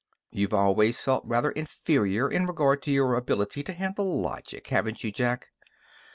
"You've always felt rather inferior in regard to your ability to handle logic, haven't you, Jack?"